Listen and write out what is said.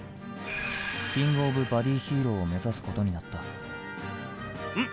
「キングオブバディヒーロー」を目指すことになったん？